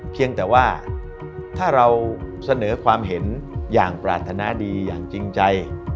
เพียงแต่ว่าถ้าเราเสนอความเห็นอย่างปรารถนาดีอย่างจริงใจ